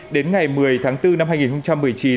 đến ngày một mươi tháng bốn năm hai nghìn một mươi chín